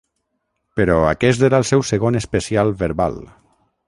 Però aquest era el seu segon especial verbal.